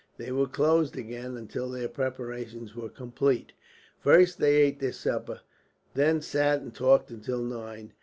They were closed again, until their preparations were complete. First they ate their supper, then sat and talked until nine.